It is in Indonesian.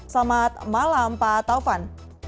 selamat malam pak taufan